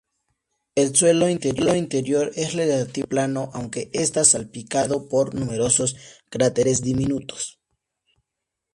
El suelo interior es relativamente plano, aunque está salpicado por numerosos cráteres diminutos.